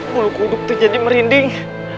waktu hidup tuh jadi merinding